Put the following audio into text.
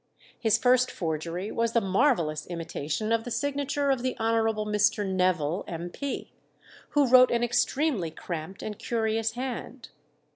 His first forgery was the marvellous imitation of the signature of the Hon. Mr. Neville, M.P., who wrote an extremely cramped and curious hand.